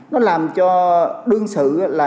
nó làm cho đương sự là